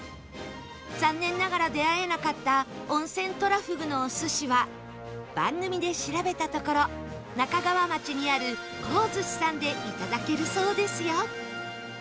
残念ながら出会えなかった温泉トラフグのお寿司は番組で調べたところ那珂川町にある幸寿司さんでいただけるそうですよ